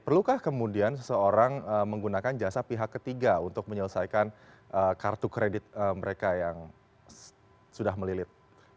perlukah kemudian seseorang menggunakan jasa pihak ketiga untuk menyelesaikan kartu kredit mereka yang sudah melilit